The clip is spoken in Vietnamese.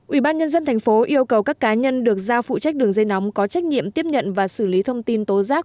ubnd tp yêu cầu các cá nhân được giao phụ trách đường dây nóng có trách nhiệm tiếp nhận và xử lý thông tin tố giác